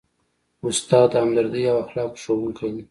استاد د همدردۍ او اخلاقو ښوونکی دی.